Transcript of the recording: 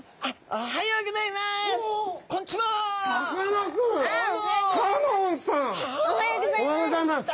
おはようございます。